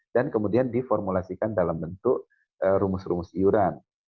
dan kemudian diformulasikan dalam bentuk rumus rumus iuran